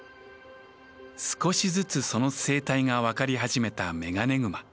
少しずつその生態が分かり始めたメガネグマ。